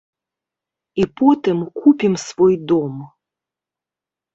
І потым купім свой дом.